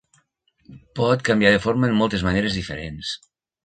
Pot canviar de forma en moltes maneres diferents.